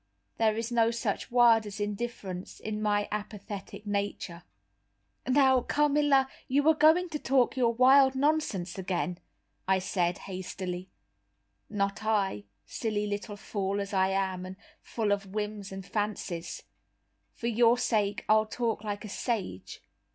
There is no such word as indifference in my apathetic nature." "Now, Carmilla, you are going to talk your wild nonsense again," I said hastily. "Not I, silly little fool as I am, and full of whims and fancies; for your sake I'll talk like a sage.